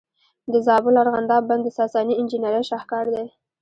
د زابل ارغنداب بند د ساساني انجینرۍ شاهکار دی